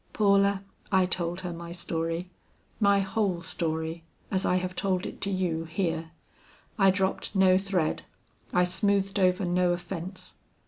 Paula, I told her my story, my whole story as I have told it to you here. I dropped no thread, I smoothed over no offence.